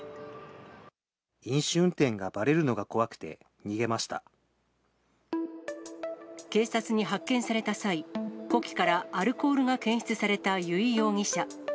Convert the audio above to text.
飲酒運転がばれるのが怖くて警察に発見された際、呼気からアルコールが検出された由井容疑者。